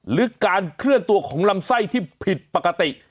หรือการเคลื่อนตัวของลำไส้ที่ผิดปกติ